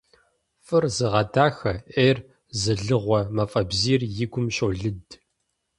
ФӀыр зыгъэдахэ, Ӏейр зылыгъуэ мафӀэбзийр и гум щолыд.